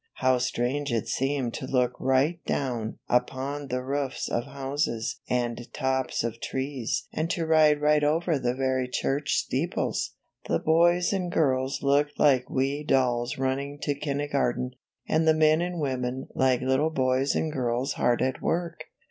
How strange it seemed to look right down upon the roofs of houses and tops of trees and to ride right over the very church steeples! The boys and girls looked like wee dolls running to kindergarten, and the men and women like little boys and girls hard at work.